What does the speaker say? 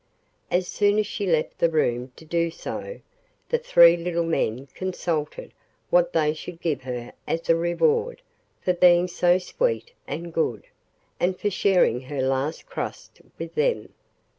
As soon as she left the room to do so, the three little men consulted what they should give her as a reward for being so sweet and good, and for sharing her last crust with them.